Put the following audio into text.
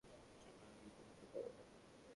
সবাই আমাকে পছন্দ করে।